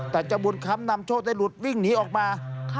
แต่เจ้าบุญค้ำนำโชคได้หลุดวิ่งหนีออกมา